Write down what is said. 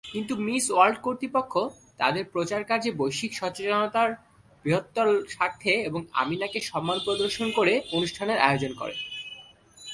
কিন্তু Miss World কর্তৃপক্ষ তাদের প্রচার কার্যে বৈশ্বিক সচেতনতার বৃহত্তর স্বার্থে এবং আমিনা’কে সম্মান প্রদর্শন করে অনুষ্ঠানের আয়োজন করে।